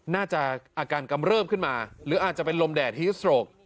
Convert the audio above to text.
น่าจะอาการกำเริบขึ้นมาหรืออาจจะเป็นลมแดดฮิสโตรก